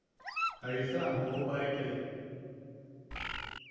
¿Jaisa am joobaekai?